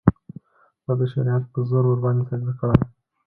د ده شریعت په زور ورباندې تطبیق کړي.